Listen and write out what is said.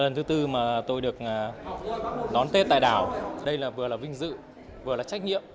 lần thứ tư mà tôi được đón tết tại đảo đây là vừa là vinh dự vừa là trách nhiệm